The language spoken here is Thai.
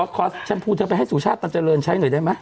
ขอชมพูเธอไปให้สุชาติตันเจริญใช้หน่อยได้ไหม